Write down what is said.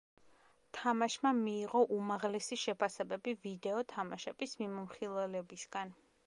თამაშმა მიიღო უმაღლესი შეფასებები ვიდეო თამაშების მიმოხილველებისგან.